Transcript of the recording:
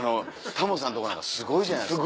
タモさんとこなんかすごいじゃないですか